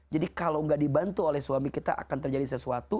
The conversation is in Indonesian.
jadi kalau nggak dibantu oleh suami kita akan terjadi sesuatu